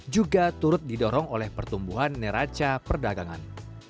juga turut didorong oleh pertumbuhan neraca perdagangan